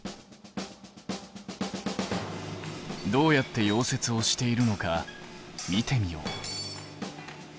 どうやって溶接をしているのか見てみよう。